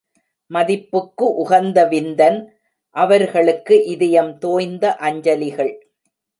மதிப்புக்கு உகந்த விந்தன் அவர்களுக்கு, இதயம் தோய்ந்த அஞ்சலிகள்.